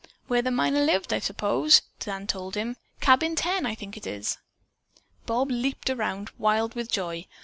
"Where the miner lived, I suppose," Dan told him. "Cabin 10, I think it is." Bob leaped around wild with joy.